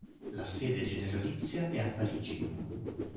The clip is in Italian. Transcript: La sede generalizia è a Parigi.